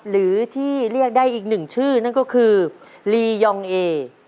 หรือที่เรียกได้อีกหนึ่งชื่อนั่นก็คือลียองเอ